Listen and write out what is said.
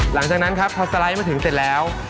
หลังจากนั้นครับพอสไลด์มาถึงเสร็จแล้ว